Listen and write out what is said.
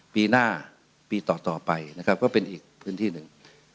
ปีหน้าปีต่อไปนะครับก็เป็นอีกพื้นที่หนึ่ง